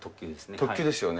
特急ですよね。